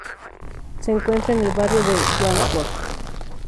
Se encuentra en el barrio de Wandsworth.